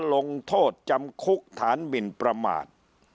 ลงโทษจำคุกฐานหมินประมาท